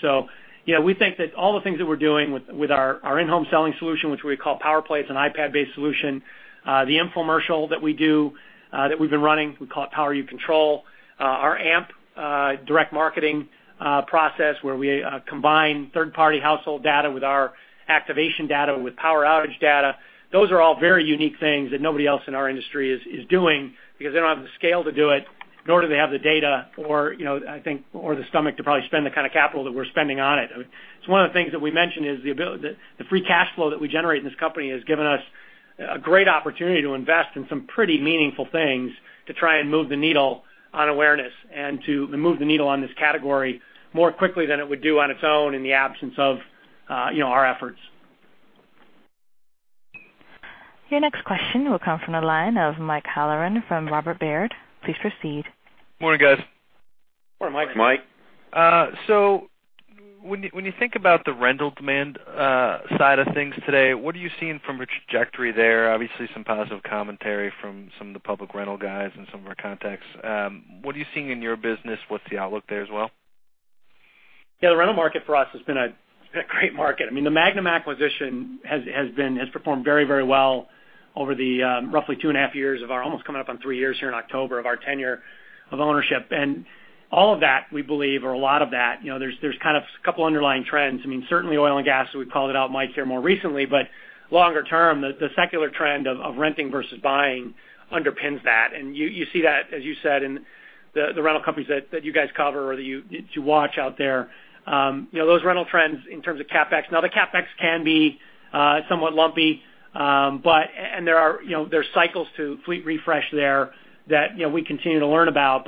We think that all the things that we're doing with our in-home selling solution, which we call PowerPlay, an iPad-based solution. The infomercial that we do, that we've been running, we call it Power You Control. Our AMP direct marketing process, where we combine third-party household data with our activation data, with power outage data. Those are all very unique things that nobody else in our industry is doing because they don't have the scale to do it, nor do they have the data or the stomach to probably spend the kind of capital that we're spending on it. It's one of the things that we mentioned is the free cash flow that we generate in this company has given us a great opportunity to invest in some pretty meaningful things to try and move the needle on awareness and to move the needle on this category more quickly than it would do on its own in the absence of our efforts. Your next question will come from the line of Mike Halloran from Robert W. Baird. Please proceed. Morning, guys. Morning, Mike. Morning, Mike. When you think about the rental demand side of things today, what are you seeing from a trajectory there? Obviously, some positive commentary from some of the public rental guys and some of our contacts. What are you seeing in your business? What's the outlook there as well? The rental market for us has been a great market. The Magnum acquisition has performed very well over the roughly two and a half years of our, almost coming up on three years here in October, of our tenure of ownership. All of that, we believe, or a lot of that, there's kind of couple underlying trends. Certainly, oil and gas, we called it out, Mike, here more recently, but longer term, the secular trend of renting versus buying underpins that. You see that, as you said, in the rental companies that you guys cover or that you watch out there. Those rental trends in terms of CapEx. Now, the CapEx can be somewhat lumpy, and there are cycles to fleet refresh there that we continue to learn about.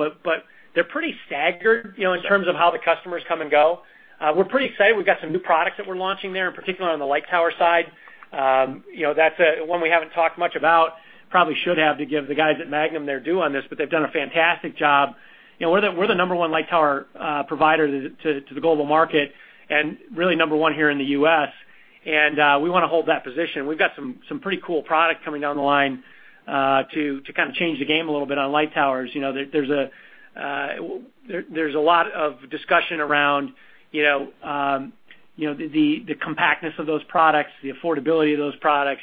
They're pretty staggered in terms of how the customers come and go. We're pretty excited. We've got some new products that we're launching there, in particular on the light tower side. That's one we haven't talked much about. Probably should have to give the guys at Magnum their due on this, but they've done a fantastic job. We're the number one light tower provider to the global market and really number one here in the U.S., and we want to hold that position. We've got some pretty cool product coming down the line, to kind of change the game a little bit on light towers. There's a lot of discussion around the compactness of those products, the affordability of those products.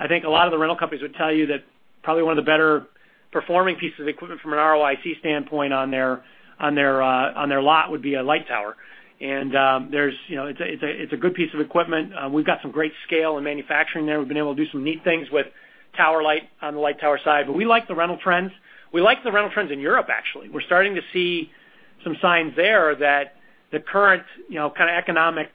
I think a lot of the rental companies would tell you that probably one of the better-performing pieces of equipment from an ROIC standpoint on their lot would be a light tower. It's a good piece of equipment. We've got some great scale in manufacturing there. We've been able to do some neat things with Tower Light on the light tower side. We like the rental trends. We like the rental trends in Europe, actually. We're starting to see some signs there that the current kind of economic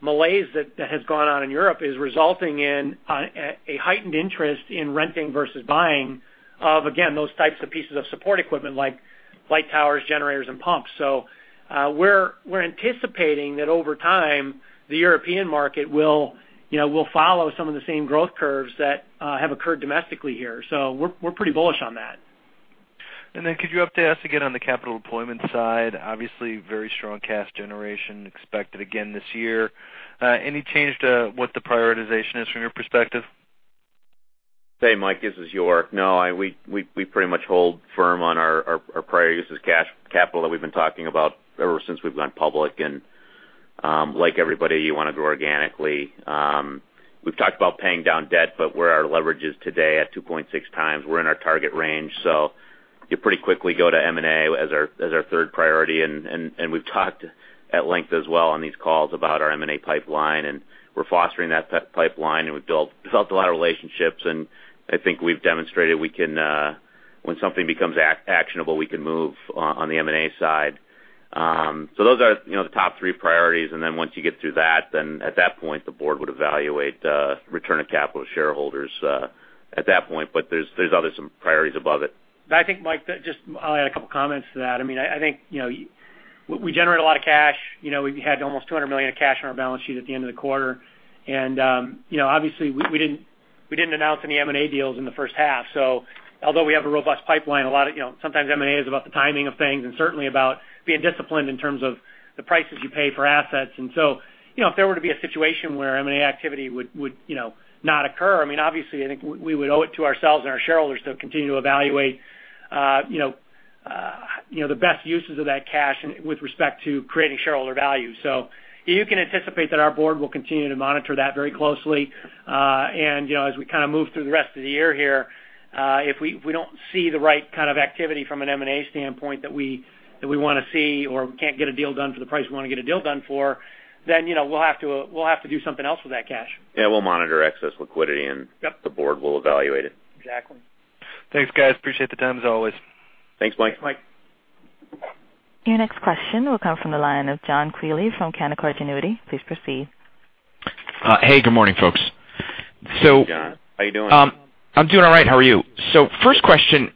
malaise that has gone on in Europe is resulting in a heightened interest in renting versus buying of, again, those types of pieces of support equipment like light towers, generators, and pumps. We're anticipating that over time, the European market will follow some of the same growth curves that have occurred domestically here. We're pretty bullish on that. Could you update us again on the capital deployment side? Obviously, very strong cash generation expected again this year. Any change to what the prioritization is from your perspective? Hey, Mike, this is York. No, we pretty much hold firm on our priorities as cash capital that we've been talking about ever since we've gone public. Like everybody, you want to grow organically. We've talked about paying down debt, but where our leverage is today at 2.6x, we're in our target range. You pretty quickly go to M&A as our third priority, and we've talked at length as well on these calls about our M&A pipeline, and we're fostering that pipeline, and we've built a lot of relationships, and I think we've demonstrated we can. When something becomes actionable, we can move on the M&A side. Those are the top three priorities, once you get through that, at that point, the board would evaluate return of capital to shareholders at that point. There's other priorities above it. I think, Mike, I'll add a couple of comments to that. I think we generate a lot of cash. We had almost $200 million of cash on our balance sheet at the end of the quarter. Obviously, we didn't announce any M&A deals in the first half. Although we have a robust pipeline, sometimes M&A is about the timing of things and certainly about being disciplined in terms of the prices you pay for assets. If there were to be a situation where M&A activity would not occur, obviously, I think we would owe it to ourselves and our shareholders to continue to evaluate the best uses of that cash with respect to creating shareholder value. You can anticipate that our board will continue to monitor that very closely. As we move through the rest of the year here, if we don't see the right kind of activity from an M&A standpoint that we want to see, or we can't get a deal done for the price we want to get a deal done for, we'll have to do something else with that cash. Yeah, we'll monitor excess liquidity. The board will evaluate it. Thanks, guys. Appreciate the time as always. Thanks, Mike. Thanks, Mike. Your next question will come from the line of John Quigley from Canaccord Genuity. Please proceed. Hey, good morning, folks. Hey, John. How you doing? I'm doing all right. How are you? First question,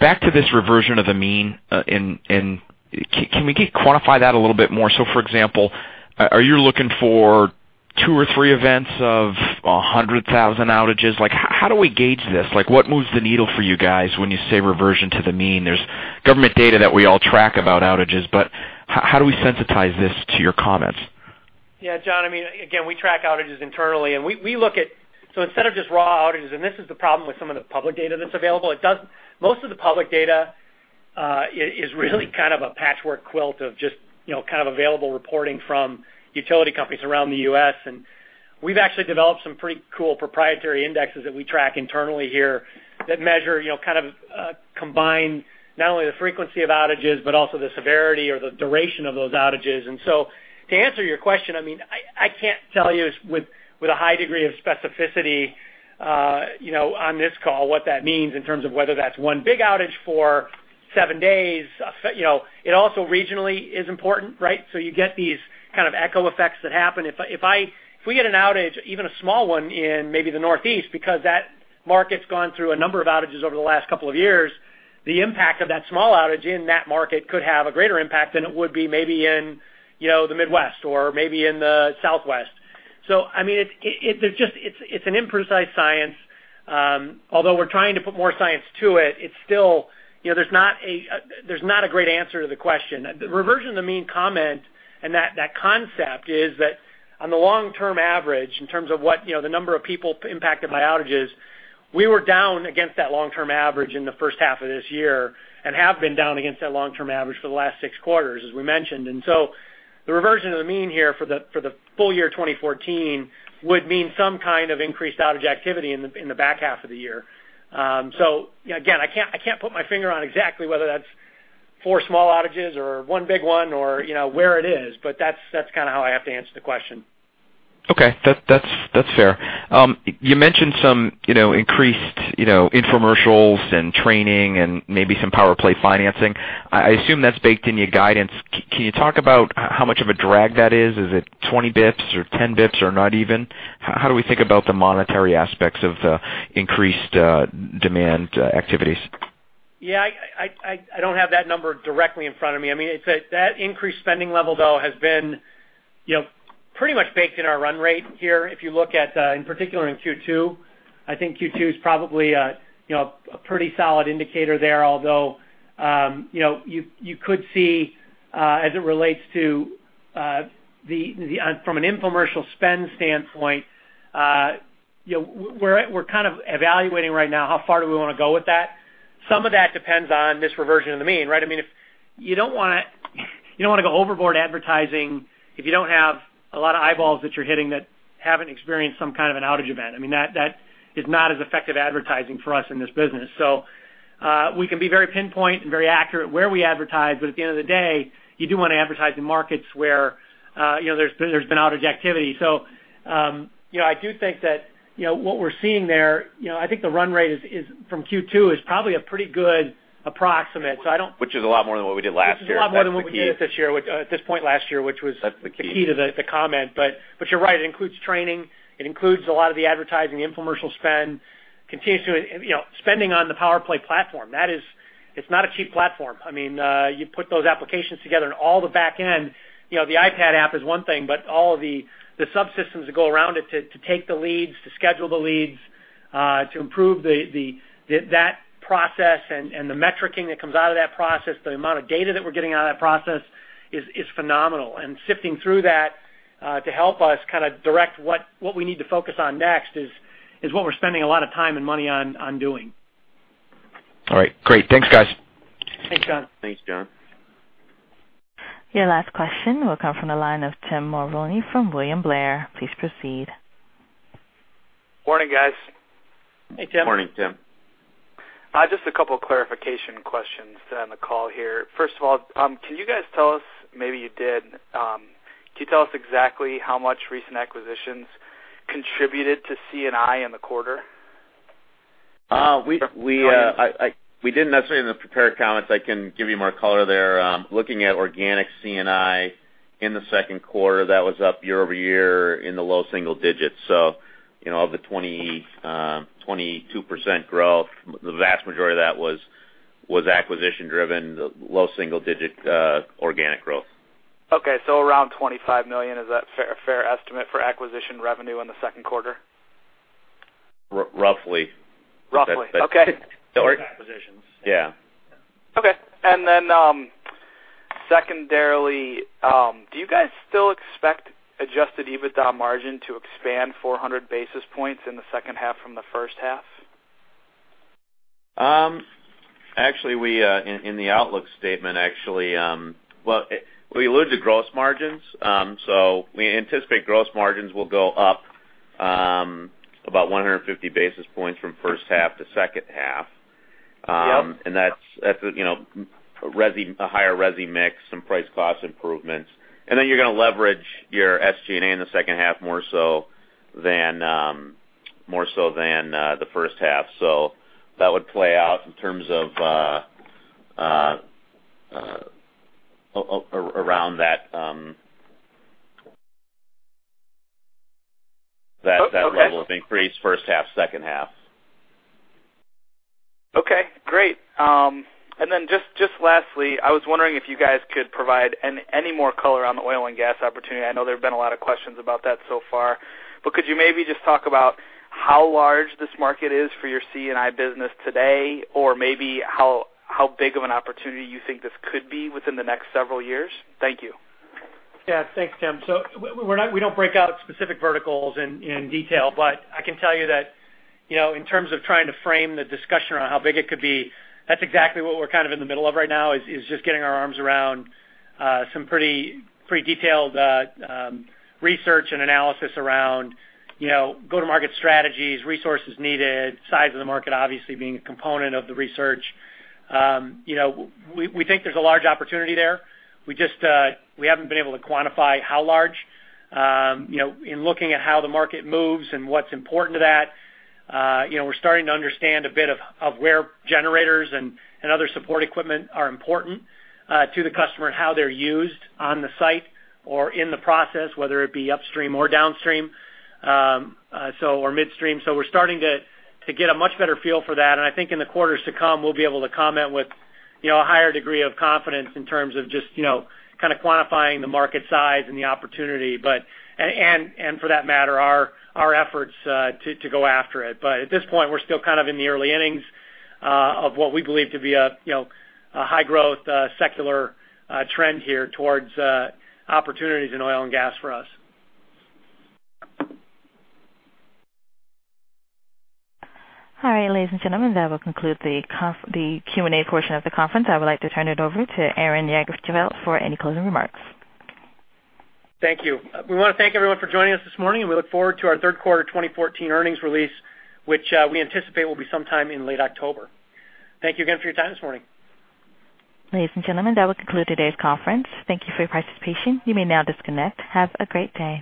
back to this reversion of the mean, can we quantify that a little bit more? For example, are you looking for two or three events of 100,000 outages? How do we gauge this? What moves the needle for you guys when you say reversion to the mean? There's government data that we all track about outages, but how do we sensitize this to your comments? Yeah, John, again, we track outages internally, we look at instead of just raw outages, and this is the problem with some of the public data that's available. Most of the public data is really kind of a patchwork quilt of just kind of available reporting from utility companies around the U.S. We've actually developed some pretty cool proprietary indexes that we track internally here that measure kind of combine not only the frequency of outages but also the severity or the duration of those outages. To answer your question, I can't tell you with a high degree of specificity on this call what that means in terms of whether that's one big outage for seven days. It also regionally is important, right? You get these kind of echo effects that happen. If we get an outage, even a small one in maybe the Northeast, because that market's gone through a number of outages over the last couple of years, the impact of that small outage in that market could have a greater impact than it would be maybe in the Midwest or maybe in the Southwest. It's an imprecise science. Although we're trying to put more science to it, there's not a great answer to the question. The reversion of the mean comment and that concept is that on the long-term average, in terms of the number of people impacted by outages, we were down against that long-term average in the first half of this year and have been down against that long-term average for the last six quarters, as we mentioned. The reversion of the mean here for the full year 2014 would mean some kind of increased outage activity in the back half of the year. Again, I can't put my finger on exactly whether that's four small outages or one big one or where it is, but that's how I have to answer the question. Okay. That's fair. You mentioned some increased infomercials and training and maybe some PowerPlay financing. I assume that's baked in your guidance. Can you talk about how much of a drag that is? Is it 20 basis points or 10 basis points or not even? How do we think about the monetary aspects of the increased demand activities? Yeah, I don't have that number directly in front of me. That increased spending level, though, has been pretty much baked in our run rate here. If you look at, in particular, in Q2, I think Q2 is probably a pretty solid indicator there. Although, you could see as it relates to from an infomercial spend standpoint, we're kind of evaluating right now how far do we want to go with that. Some of that depends on this reversion of the mean, right? You don't want to go overboard advertising if you don't have a lot of eyeballs that you're hitting that haven't experienced some kind of an outage event. That is not as effective advertising for us in this business. We can be very pinpoint and very accurate where we advertise. At the end of the day, you do want to advertise in markets where there's been outage activity. I do think that what we're seeing there, I think the run rate from Q2 is probably a pretty good approximate. Which is a lot more than what we did last year. Which is a lot more than what we did at this point last year, which was the key to the comment. You're right. It includes training. It includes a lot of the advertising. The infomercial spend continues spending on the PowerPlay platform. It's not a cheap platform. You put those applications together and all the back end, the iPad app is one thing, but all of the subsystems that go around it to take the leads, to schedule the leads, to improve that process and the metricing that comes out of that process, the amount of data that we're getting out of that process is phenomenal. Sifting through that to help us direct what we need to focus on next is what we're spending a lot of time and money on doing. All right. Great. Thanks, guys. Thanks, John. Thanks, John. Your last question will come from the line of Tim Mulrooney from William Blair. Please proceed. Morning, guys. Hey, Tim. Morning, Tim. Just a couple clarification questions on the call here. First of all, can you guys tell us, maybe you did, can you tell us exactly how much recent acquisitions contributed to C&I in the quarter? We didn't necessarily in the prepared comments. I can give you more color there. Looking at organic C&I in the second quarter, that was up year-over-year in the low single digits. Of the 22% growth, the vast majority of that was acquisition-driven, low single-digit organic growth. Okay. Around $25 million, is that a fair estimate for acquisition revenue in the second quarter? Roughly. Roughly. Acquisitions. Okay. Secondarily, do you guys still expect adjusted EBITDA margin to expand 400 basis points in the second half from the first half? Actually, in the outlook statement, actually, well, we allude to gross margins. We anticipate gross margins will go up about 150 basis points from first half to second half. That's a higher resi mix, some price cost improvements. Then you're going to leverage your SG&A in the second half more so than the first half. That would play out in terms of around that level of increase first half, second half. Just lastly, I was wondering if you guys could provide any more color on the oil and gas opportunity. I know there've been a lot of questions about that so far. Could you maybe just talk about how large this market is for your C&I business today? Maybe how big of an opportunity you think this could be within the next several years? Thank you. Yeah, thanks, Tim. We don't break out specific verticals in detail, but I can tell you that, in terms of trying to frame the discussion around how big it could be, that's exactly what we're kind of in the middle of right now, is just getting our arms around some pretty detailed research and analysis around go-to-market strategies, resources needed, size of the market, obviously being a component of the research. We think there's a large opportunity there. We haven't been able to quantify how large. In looking at how the market moves and what's important to that, we're starting to understand a bit of where generators and other support equipment are important to the customer and how they're used on the site or in the process, whether it be upstream or downstream, or midstream. We're starting to get a much better feel for that. I think in the quarters to come, we'll be able to comment with a higher degree of confidence in terms of just kind of quantifying the market size and the opportunity. For that matter, our efforts to go after it. At this point, we're still kind of in the early innings of what we believe to be a high growth, secular trend here towards opportunities in oil and gas for us. All right, ladies and gentlemen, that will conclude the Q&A portion of the conference. I would like to turn it over to Aaron Jagdfeld for any closing remarks. Thank you. We want to thank everyone for joining us this morning, and we look forward to our Third Quarter 2014 Earnings Release, which we anticipate will be sometime in late October. Thank you again for your time this morning. Ladies and gentlemen, that will conclude today's conference. Thank you for your participation. You may now disconnect. Have a great day.